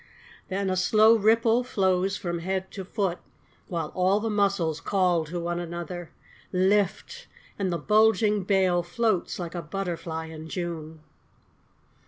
Then a slow ripple flows along the body, While all the muscles call to one another :" Lift !" and the bulging bale Floats like a butterfly in June.